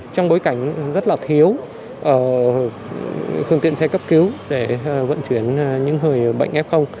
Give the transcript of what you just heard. trong bối cảnh rất là thiếu phương tiện xe cấp cứu để vận chuyển những người bệnh f